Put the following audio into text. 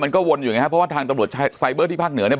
มันก็วนอย่างเงี้ยเพราะว่าทางตำลวดไซเบอร์ที่ภาคเหนือเนี่ย